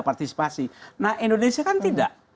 partisipasi nah indonesia kan tidak